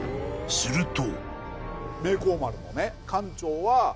［すると］